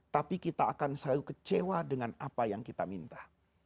tapi kita akan selalu kecewa dengan apa yang kita minta